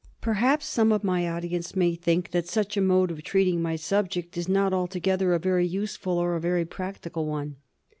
Perhaps some of my audience may think that such a mode of treating my subject is not altogether a very useful or a very practical one.